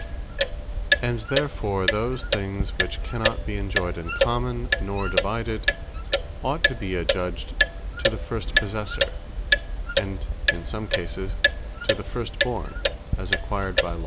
And therefore those things which cannot be enjoyed in common, nor divided, ought to be adjudged to the First Possessor; and is some cases to the First Borne, as acquired by Lot.